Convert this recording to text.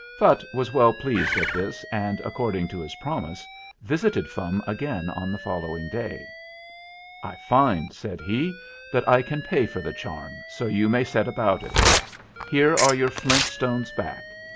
Phutt was well pleased at this and, accord ing to his promise, visited Fum again on the following day. "I find," said he, "that I can pay for the charm, so you may set about it. Here are your flint stones back.